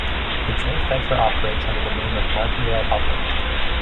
The joint venture operates under the name of Martindale-Hubbell.